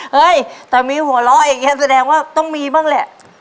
เฮ้ยแต่มีหัวเราะอย่างนี้แสดงว่าต้องมีบ้างแหละ